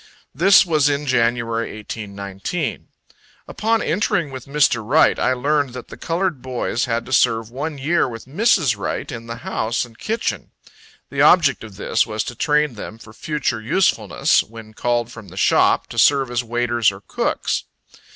This was in January, 1819. Upon entering with Mr. Wright, I learned that the colored boys had to serve one year with Mrs. Wright, in the house and kitchen. The object of this was to train them for future usefulness, when called from the shop, to serve as waiters or cooks.